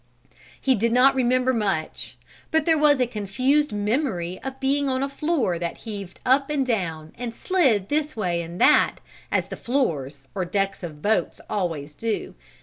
He did not remember much but there was a confused memory of being on a floor that heaved up and down, and slid this way and that as the floors, or decks of boats always do.